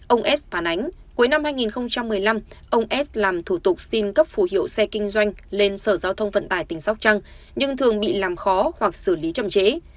ông s phản ánh cuối năm hai nghìn một mươi năm ông s làm thủ tục xin cấp phủ hiệu xe kinh doanh lên sở giao thông vận tải tỉnh sóc trăng nhưng thường bị làm khó hoặc xử lý chậm trễ